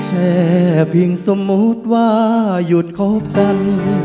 แค่เพียงสมมุติว่าหยุดคบกัน